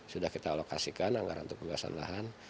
sudah kita alokasikan anggaran untuk pembebasan lahan